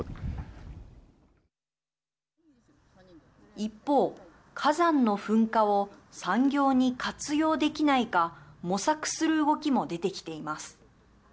一方、火山の噴火を産業に活用できないか模索する動きも出てきています。